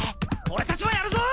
俺たちもやるぞ！